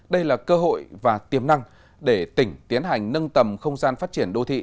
đây là cơ hội và tiềm năng để tỉnh tiến hành nâng tầm không gian phát triển đô thị